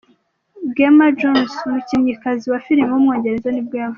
Gemma Jones, umukinnyikazi wa filime w’umwongereza nibwo yavutse.